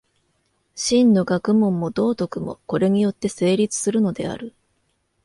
真の学問も道徳も、これによって成立するのである。